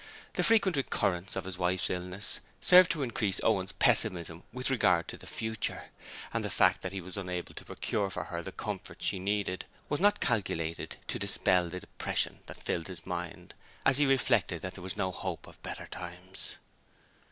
The frequent recurrence of his wife's illness served to increase Owen's pessimism with regard to the future, and the fact that he was unable to procure for her the comforts she needed was not calculated to dispel the depression that filled his mind as he reflected that there was no hope of better times.